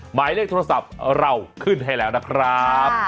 หมายเลขโทรศัพท์เราขึ้นให้แล้วนะครับ